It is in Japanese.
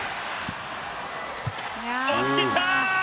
押し切った！